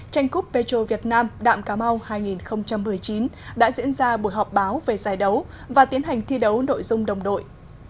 tranh cúp petro việt nam đạm cà mau hai nghìn một mươi chín đã diễn ra buổi họp báo về giải đấu và tiến hành thi đấu nội dung đồng đội